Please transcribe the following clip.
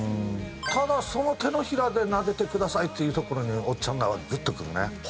「ただその掌で撫でてください」っていうところにおっちゃんらはグッとくるね。